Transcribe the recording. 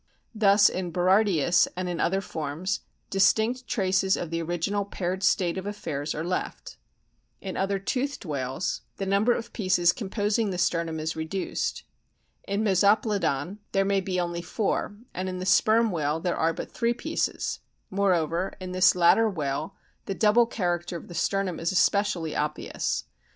Thus in Berardius (and in other forms) distinct traces of the original paired state of affairs are left. In other toothed whales the number of I <s s; 1 SOME INTERNAL STRUCTURES 45 pieces composing the sternum is reduced. In Meso plodon there may be only four, and in the Sperm whale there are but three pieces ; moreover, in this latter whale the double character of the sternum is especially obvious.